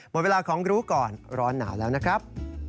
หมดเวลาของรู้ก่อนร้อนหนาวแล้วนะครับ